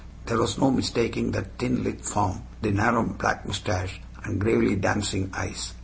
There was no mistaking that thin lithe form, the narrow black mustache, and gravely dancing eyes.